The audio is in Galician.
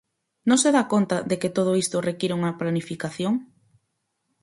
¿Non se dá conta de que todo isto require unha planificación?